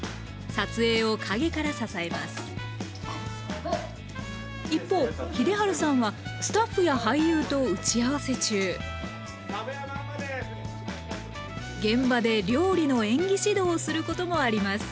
撮影を陰から支えます一方秀治さんはスタッフや俳優と打ち合わせ中現場で料理の演技指導をすることもあります。